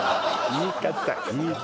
言い方